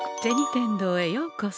天堂へようこそ。